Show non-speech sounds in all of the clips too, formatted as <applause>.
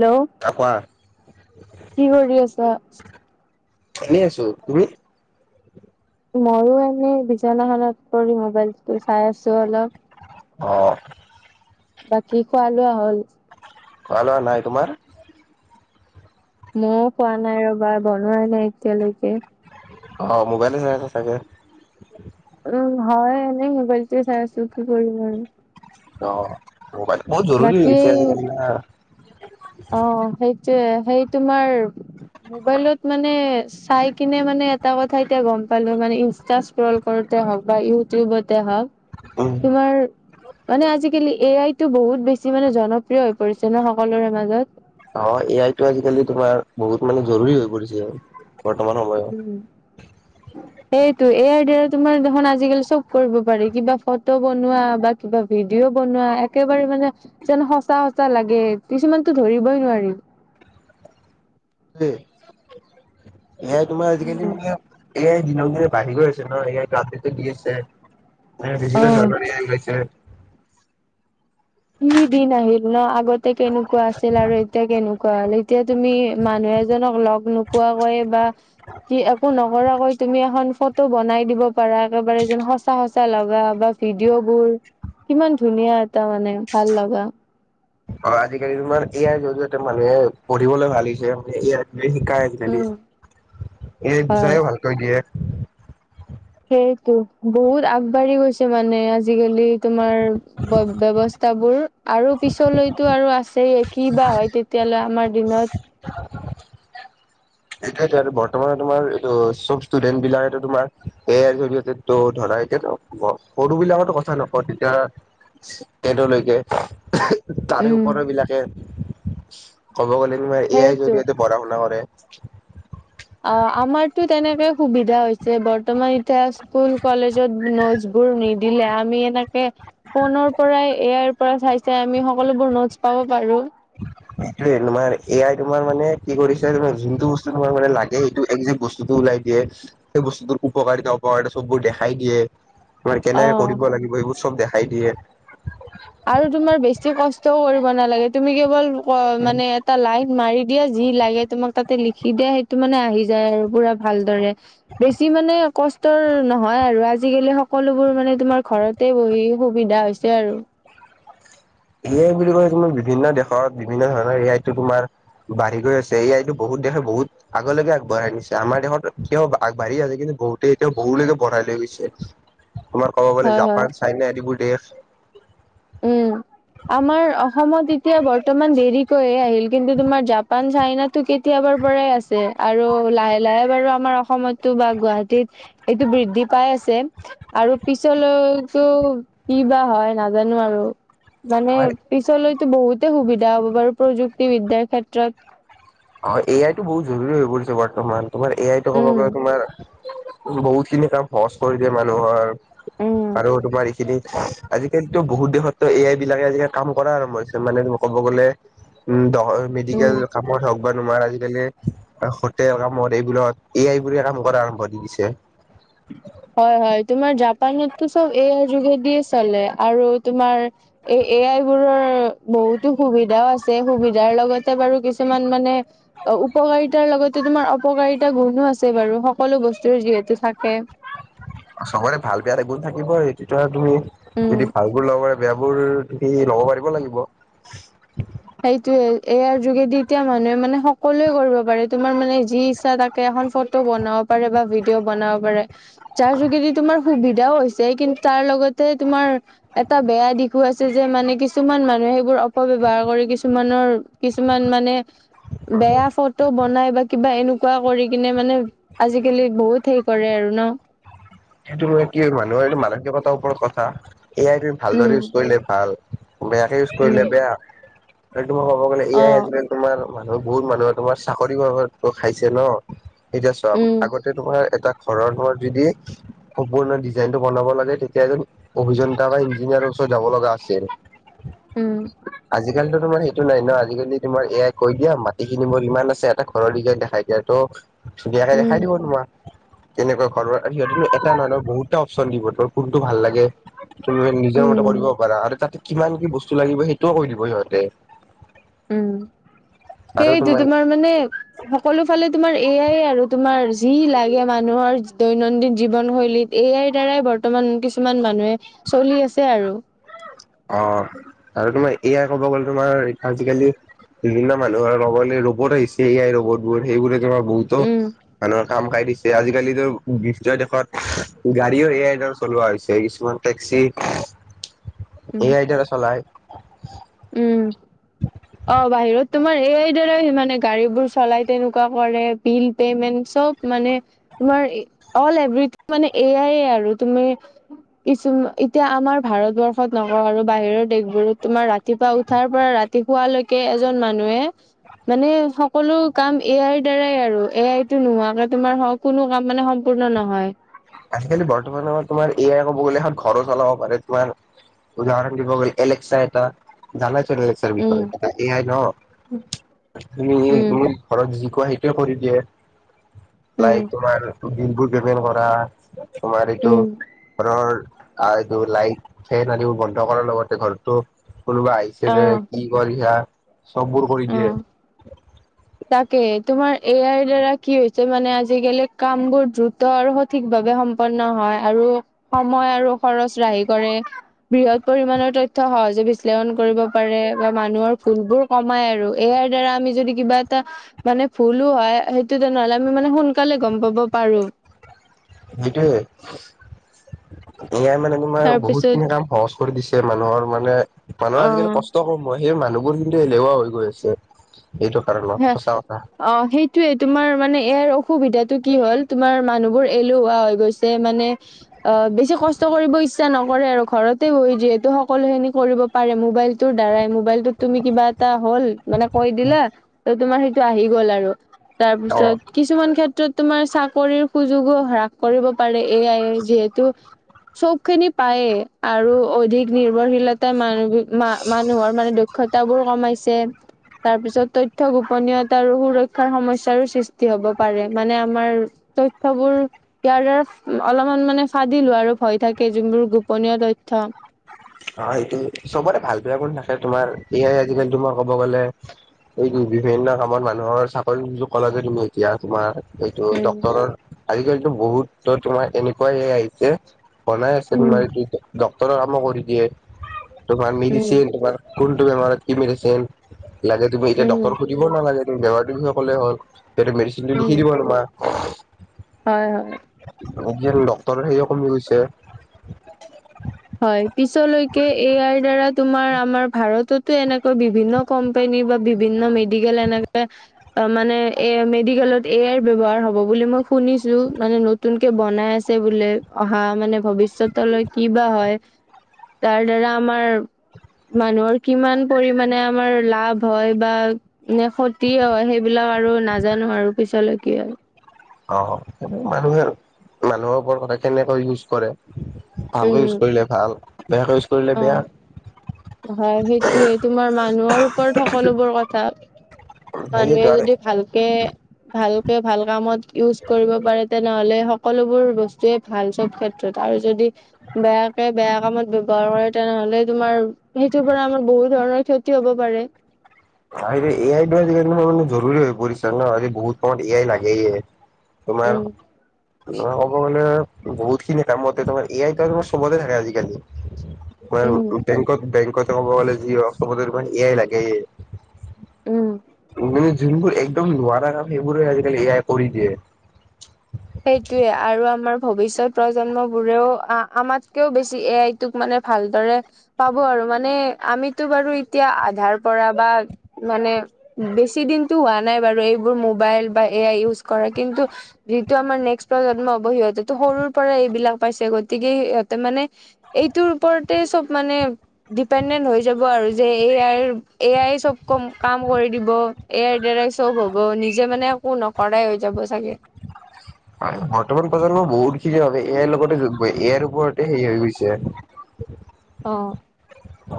Hello অ কোৱা কি কৰি আছা? এনে আছো তুমি মইয়ো এনে বিজনাখনত পৰি মোবাইলটো চাই আছো অলপ অ। বাকী খোৱা লোৱা হ'ল। খোৱা লোৱা নাই তোমাৰ। ময়ও খোৱা নাই ৰবা বনোৱাই নাই এতিয়ালৈকে। অ মোবাইলে চাই আছে চাগে। উম হয় এনেই মোবাইল টো এ চাই আছোঁ কি কৰিম আৰু। অ মোবাইল বহুত জৰুৰি হৈ বাকী গছে আজিকালি অ সেই এ সেই তোমাৰ মোবাইলত মানে চাই কিনে মানে এটা কথা এতিয়া গম পালো মানে ইনষ্টা স্ক্ৰল কৰোতে হওক বা ইউটিউবতে হওক উম তোমাৰ মানে আজিকালি এ আই টো বহুত বেছি মানে জনপ্ৰিয় হৈ পৰিছে ন সকলোৰে মাজত মাজত অ এ আইটো আজিকালি তোমাৰ বহুত মানে জৰুৰী হৈ পৰিছে। বৰ্তমান সময়ত উম সেইটো এয়াৰ ডেয়াৰ। তোমাৰ দেখোন আজিকালি চব কৰিব পাৰি কিবা ফটো বনোৱা, বা কিবা ভিডিঅ' বনোৱা, একেবাৰে মানে যেন সঁচা সচা লাগে। কিছুমানতো ধৰিবই নোৱাৰি। উম এয়া তোমাৰ আজিকালি উম। মানে এয়াই দিন বাঢ়ি গৈছে ন ইয়াৰ? ৰাতি গছে বিজনে জ অ'। গৈছে <unintelligible> কি দিন আহিল ন? আগতে কেনেকুৱা আছি, আৰু এতিয়া কেনেকুৱা হল, এতিয়া তুমি মানুহ এজনক লগ নোপোৱাকৈয়ে বা কি একো ন কৰাকৈ তুমি এখন ফটো বনাই দিব পাৰা একেবাৰে যেন সঁচা সঁচা লগা বা ভিডিঅ বোৰ, কিমান ধুনীয়া এটা মানে। ভাল লগা। অ আজিকালি তোমাৰ এয়াই জৰিয়তে মানুহে পঢ়িবলৈ ভাল হৈছে মান এ শিকাই আজিকালি উম। এই হয়। বুজায়ও ভালকৈ দিয়ে। সেইটো বহুত আগবাঢ়ি গৈছে মানে আজিকালি। তোমাৰ ব্যৱস্থা বোৰ আৰু পিছলৈতটো আৰু আছে। সে কি বা হয় তেতিয়াহ'লে আমাৰ দিনত সেইটয়েতো বৰ্তমান তোমাৰ এইটো চব ষ্টুডেন্ট বিলাকো তোমাৰ এয়াৰ জৰিয়তে তো ধৰা এতি সৰু বিলাকৰো কথা নকওঁ তেতিয়া তেনলৈকে, তাৰে উম ওপৰ বিলাকে <inaudible> ক'ব গ'লে তোমাৰ এ আইৰ সেইটো জৰিয়তে পঢ়া শুনা কৰে। <inaudible> অ আমাৰতো তেনেকে সুবিধা হৈছে। বৰ্তমান এতিয়া স্কুল কলেজত নোটছ বোৰ নিদিলে আমি এনেকে, ফোনৰ পৰাই এয়াৰ পৰা চাই চাই আমি সকলোবোৰ নোটছ পাব পাৰো। সেইটোয়ে তোমাৰ এয়াই তোমাৰ মানে কি কৰিছে যোনটো বস্তু তোমাৰ মানে লাগে সেইটো একে বস্তুটো ওলাই দিয়ে। সেই বস্তুত উপকাৰিতা অপকাৰিতা চববোৰ দেখাই দিয়ে। ম কেনেকে অ কৰিব লাগিব এই বস্ত উৎসৱ দেখাই দিয়ে। আৰু তোমাৰ বেছি কষ্ট- ও কৰিব নালাগে, তুমি কেৱল অ মানে এটা লাইন মাৰি দিয়ে, যি লাগে তোমাক তাতে লিখি দিয়ে, সেইটো মানে আহি যায় আৰু পুৰা ভালদৰে। বেছি মানে কষ্টৰ নহয় আৰু আজিকালি সকলোবোৰ মানে তোমাৰ ঘৰতে বহি সুবিধা হৈছে আৰু। এই আই বুলি কৈ তুমাৰ বিভিন্ন দেশত বিভিন্ন ধৰণৰ এই আইটো তোমাৰ বাঢ়ি গৈ আছে। এই আইটো বহুত দেশে বহুত আগলৈকে আগবঢ়াই নিছে। আমাৰ দেশত কিয় আগবাঢ়ি আছে কিন্তু বহুতে এতিয়া বহুলৈকে বঢ়াই লৈ গৈছে। তোমাৰ ক'ব গ'লে হয় হয় জাপান, চাইনা আদিবোৰ দেশ <inaudible> উম আমাৰ অসমত এতিয়া বৰ্তমান দেৰিকৈয়ে আহিল কিন্তু তোমাৰ জাপন চাইনো কেতিয়াবাৰ পৰাই আছে আৰু লাহে লাহে বাৰু আমাৰ অসমতো বা গুৱাহাটীত এইটো বৃদ্ধি পাই আছে আৰু পিছলৈতো কি বা হয় নাজ নোৱাৰো মানে তোমাৰ পিছ লৈ বহুতে সুবিধা হ'ব বাৰু প্ৰযুক্তিবিদ্যয়াৰ ক্ষেত্ৰত অঁ এ আই তো বহুত জৰুৰী হৈ পৰিছে বৰ্তমান তোমাৰ এ আই তো ক'ব উম গ'লে তোমাৰ বহুত খিনি কাম সহজ কৰি দিয়ে মানুহৰ উম আৰু তোমাৰ এইখিনি আজিকালিতটো বহুত দেশতো এ আই বিলাকে আজিকালি কাম কৰা, আৰম্ভ হৈছে মানে ক'ব গ'লে উম। মেডিকেল উম কামত হওঁক বাট তোমাৰ আজিকালি সতে কামত এইবিলাক এই আই বোৰে কাম কৰা আৰম্ভ দি দিছে হয় হয় তোমাৰ জাপানততো চব এ আইৰ যোগেদিয়ে চলে আৰু তোমাৰ এই এ আই বোৰৰ বহুতো সুবিধাও আছে সুবিধাৰ লগত বাৰু কিছুমান মানে অঁ উপকাৰিতাৰ লগতে তোমাৰ অপকাৰিতা গুণো আছে বাৰু সকলো বস্তুৰ যিহেতু থাকে থাকে চবতে ভাল বেয়া এটা গুণ থাকিবই তেতিয়াতো তুমি উম যদি ভালবোৰ লগৰে বেয়াবোৰ সি ল'ব পাৰিব লাগিব সেইটোয়ে এয়াৰ যোগেদি এতিয়া মানুহে মানে সকলোৱে কৰিব পাৰে তোমাৰ মানে যি ইচ্ছা তাকে এখন ফটো বনাব পাৰে বা ভিডিঅ' বনাব পাৰে যাৰ যোগেদি তোমাৰ সুবিধাও হৈছে কিন্তু তাৰ লগতে তোমাৰ এটা বেয়া দিশো আছে যে মানে কিছুমান মানুহে সেইবোৰ অপব্যৱহাৰ কৰি কিছুমানৰ কিছুমান মানে বেয়া ফটো বনাই বা কিবা এনেকুৱা কৰি কিনে মানে আজিকালি বহুত হেই কৰে আৰু ন এইটো মানে কি মানুহৰ এইটো মানসিকিকতাৰ ওপৰত কথা এ আই তুমি ভালদৰে উম ইউজ কৰিলে ভাল বেয়াকৈ ইউজ কৰিলে উম বেয়া তম ক'ব গ'লে অ এয়াই আজিলে তোমাৰ মানুহ বহুত মানুহে তোমাৰ চাকৰিৰত ত খাইছে ন এতিয়া চাম উম আগতে তোমাৰ এটা ঘৰৰ যদি সপূৰ্ন ডিজাইন টো বনাব লাগে তেতিয়া এজন অভিযন্তা বা ইঞ্জিনিয়াৰৰ ওচৰত যাব লগা আছে উম আজি কালিতো তোমাৰ টো নাই ন আজিকালি তোমাৰ এ আই ক কৈ দিয়া মাটি খিনি মোৰ ইমান আছে এটা ঘৰৰ দিঘে দেখাই দিয়া তো ধুনীয়াকে উম দেখাই দিব তোমাক কেনেকুৱা ঘৰৰ আৰ্হি তাৰ নহয় ন বহুত তাও চন্দীপতৰ কোনটো ভাল লাগে তুমি নিজৰ মতে কৰিব উম পাৰা আৰু তাতে কিমান কি বস্তু লাগিব সেই সেইটোও কৈ দিব সিহঁতে উম সেইটো তোমাৰ মানে সকলো ফালে তোমাৰ এ আইৰ আৰু তোমাৰ যি লাগে মানুহৰ দৈনন্দিন জীৱনশৈলীত এ আইৰ দ্বাৰাই বৰ্তমান কিছুমান মানুহে চলি আছে আৰু অ আৰু তোমাৰ এ আই ক'ব গ'লে তোমাৰ আজিকালি বিভিন্ন মানুহৰ ক'ব গলে ৰ'বত আহিছে এ আই ৰবত বোৰ সেইবোৰে বহুতো উম মানুহৰ কাম কাই দিছে আজিকালিতো বিশ্বই দেশত গাড়ীও এ আইৰ দ্বাৰা চলোৱা হৈছে কিছুমান টেক্সি উম এ আইৰ দ্বাৰা চলাই উম অ বাহিৰত তোমাৰ এ আইৰ দ্বাৰা মানে গাড়ীবোৰ চলাই তেনেকুৱা কৰে বিল পেমেণ্ট চব মানে তোমাৰ অল এভ্ৰিথিং মানে এ আইয়ে আৰু তুমি কিছুমান এতিয়া আমাৰ ভাৰতবৰ্ষত নকওঁ আৰু বাহিৰৰ দেশ বোৰত তোমাৰ ৰা ৰাতিপুৱা উঠাৰ পৰা ৰাতি শুৱালৈকে এজন মানুহে মানে সকলো কাম এ আইৰ দ্বাৰাই আৰু এ আই টো নোহোৱাকে তোমাৰ কোনো কাম মানে সম্পূৰ্ণ নহয়। আজিকালি বৰ্তমান সময়ত তোমাৰ এ আই কব গ'লে এখন ঘৰো চলাব পাৰে তোমাৰ উদাহৰণ দিব গ'লে এলেক্সা এটা জানা উম <unintelligible> এ আই ন উম তুমি ঘৰত যি কোৱা সেইটোয়ে কৰি দিয়ে লাই উম তোমাৰ ডিম্পু ট্ৰেভেল কৰা তোমাৰ এইটো উম ঘৰৰ আৰু এইটো লাইট ফেন আদিবাসী বন্ধ কৰাৰ লগতে ঘৰতো কোনবা আহিছে অ নে কি কৰিছা চববোৰ কৰি দিয়ে অ তাকে তোমাৰ এ আইৰ দ্বাৰা কি হৈছে মানে আজিকালি কাম বোৰ দ্ৰুত আৰু সঠিক ভাৱে সম্পন্ন হয় আৰু সময় আৰু খৰচ ৰাহি কৰে, বৃহৎ পৰিমণৰ তথ্য সহজে বিশ্লেষণ কৰিব পাৰে বা মানুহৰ ভুল বোৰ কম কমাই আৰু ইয়াৰ দ্বাৰা আমি যদি কিবা এটা মানে ভুলো হয় সেইটো তেনেহ'লে আমি মানে সোন- সোনকালে গম পাব পাৰোঁ এ আই মানে তোমাৰ বহুত খিনি কাম সহজ কৰি দিছে মানুহৰ মানে মানুহৰ আজিকালি অ কষ্ট কম হয় সেয়ে মানুহ বোৰ কিন্তু এলেহুৱা হৈ গৈ আছে এইটো কাৰণত হে সঁচা কথা অ সেইটোয়ে তোমাৰ মানে ইয়াৰ অসুবিধাতটো কি হ'ল তোমাৰ মানুহবোৰ এলেহুৱা হৈ গৈছে মানে অ বেছি কষ্ট কৰিব ইচ্ছা নকৰে আৰু ঘৰতে বৈ যিহেতু সকলো খিনি কৰিব পাৰে মোবাইল তোৰ দ্বাৰাই মোবাইলটোত তুমি কিবা এটা হ'ল মানে কৈ দিলে তোমাৰ সেইটো আহি গ'ল আৰু অ অ তাৰপিছত কিছুমান ক্ষেত্ৰ তোমাৰ চাকৰিৰ সুযোগো হ্ৰাস কৰিব পাৰে এ আই এ যিহেতু চব খিনি পায়েই আৰু অধিক নিৰ্ভৰশীলতাই মানুহ মানুহৰ মানে দক্ষতাবোৰ কমাইছে তাৰপিছত তথ্য গোপনীয়তা আৰু সুৰক্ষাৰ সমস্যাৰ সৃষ্টি হব পাৰে মানে আমাৰ তথ্যবোৰ ইয়াৰ দ্বাৰা অলপমান মানে ফাদিলো হোৱাৰ আৰু ভয় থাকে যোনবোৰ গোপনীয় তথ্য অ সেটো চবৰে ভাল বেয়া শুণ থাকে তোমাৰ এয়াই আজিকালি তোমাৰ কব গ'লে এই বিভিন্ন কামত মানুহৰ চাকৰি কল যদি এতিয়া তোমাৰ সেইটো উম ডক্টৰ আজিকালিতো বহুত তোমাৰ এনেকুৱাইে আহিছে বনাই আছে উম তোমাৰি দ <unintelligible> ডক্টৰৰ কাম কৰি দিয়ে তোমাৰ উম মেডিচিন তোমাৰ কোনটো বেমাৰত কি মেডিচিন লাগে তুমি এতিয়া উম ডক্টৰক সুধিব নালাগে তুমি বেমাৰটো কিহত কলে হল সেইটো মেডিচিনটো উম লিখি দিব তোমাক <unintelligible> <inaudible> হয় হয় এতি ডাক্তৰ সেয়ে কমি গৈছে হয় পিছলৈকে এ আইৰ দাৰা তুমাৰ আমাৰ ভাৰততো এনেকৈ বিভিন্ন কোম্পানী বা বিভিন্ন মেডিকেল এনেকে মানে এ মেডিকেলত এ আই ব্যয়ৱসায় হব বুলি মই শুনিছো মানে নতুনকে বনাই আছে বোলে অহা মানে ভৱিষ্যতলৈ কি বা হয় তাৰ দ্বাৰা আমাৰ মানুহৰ কিমান পৰিমানমানে আমাৰ লাভ হয় বা ক্ষতি হয় সেইবিলাক আৰু নাজানো আৰু পিছলৈ কি হয় অ মানুহে মানুহৰ ওপৰত কথা কেনেকৈ ইজ কৰে ভালকৈ ইউজ উম কৰিলে ভাল বেয়াকৈ ইউজ কৰিলে অ বেয়া হয় সেইটোয়ে তোমাৰ মানুহৰ ওপৰত সকলোবোৰ কথা মানুহে সেইয়েতো আৰু যদি ভালকে ভালকে ভাল কামত ইউজ কৰিব পাৰে তেনেহলে সকলোবোৰ বস্তুয়ে ভাল চব ক্ষেত্ৰত আৰু যদি বেয়াকে বেয়া কামত বৱহাৰ কৰে তেনেহলে তোমাৰ সেইটোৰ পৰা আমাৰ বহুত ধৰণৰ ক্ষতি হব পাৰে এ আইটো আজিকালি মানে জৰুৰী হৈ পৰিছে ন আজি বহুত সময়ত এ আই লাগেই তোমাৰ উম ক'ব গ'লে বহুতখিনি কামত তে তোমাৰ এ আই তোমাৰ সবতে থাকে আজিকালি উম মানে বেংকত বেংকতে ক'ব গ'লে যি অসম এ আই লাগেয়ে উম মানে যোনবোৰ একদম নোৱাৰা কাম সেইবোৰ আজিকালি এয়াই কৰি দিয়ে। ভৱিষ্যয়ত প্ৰজন্ম বোৰেও আমাতকেও বেছি এ আইটোক মানে ভালদৰে পাব আৰু মানে আমিতো বাৰু এতিয়া আধাৰ। পৰা বা, মানে বেছি দিন টো হোৱা নাই বাৰু, এইবোৰ মোবাইল বা এ আই ইউজ কৰা কিন্তু যিটো আমাৰ নেক্স প্ৰজন্ম হ'ব, সিহঁতেতো সৰুৰ পৰা এইবিলাক পাইছে। গতিকে সিহঁতে মানে এইটোৰ ওপৰতে চব মানে ডিপেণ্ডেণ্ট হৈ যাব, আৰু যে এ আইৰ, এ আই চব কম কাম কৰি দিব, এ আইৰ দ্বাৰাই চব হ'ব, নিজে মানে একো নকৰাই হৈ যাব চাগে। হয়, বৰ্তমান প্ৰজন্ম বহুত খিনি আছে, এ আইৰ লগতে এ ইয়াৰ ওপৰতে সেই হৈ গৈছে। অ।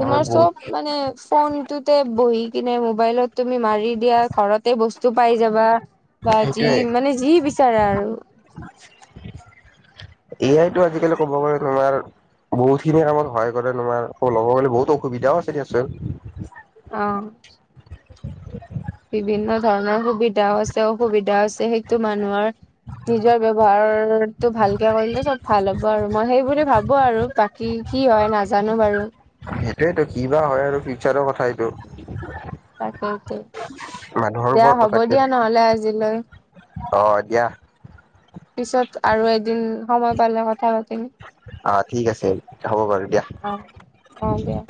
আমাৰ তোমাৰ বহুত চব মানে, ফোন সেটোতে বহি কিনে, মোবাইলত তুমি মাৰি মাৰি দিয়া ঘৰতে বস্তু তটো পাই যাবা। বা, যি সেইটোয়ে মানে, যি বিচাৰা আৰু। এ আইতো, আজিকালি ক'ব গ'লে তোমাৰ বহুতখিনি কামত সহায় কৰে, তোমাৰ ক'ব গ'লে বহুত অসুবিধাও আছে দিয়াচোন। অ <unintelligible> বিভিন্ন ধৰণৰ সুবিধাও আছে, অসুবিধাও আছে, সেইটো মানুহৰ নিজৰ ব্যৱহাৰটো ভালকে কৰিলে, চব ভাল হ'ব আৰু, মই সেই বুলি ভাবো আৰু বাকী কি হয় নাজানো বাৰু। সেইটোয়েটো ক বা হয়, আৰু ফিউচাৰৰ কথা। এইটো উম, তাকেই টো, মানুহৰ দিয়া ওপৰত হব, কথা দিয়া নহলে আজিলৈ অ দিয়া পিছত আৰু এদিন সময় পালে কথা পাতিম। অ, ঠিক আছে হ'ব বাৰু দিয়া। অ অ দিয়া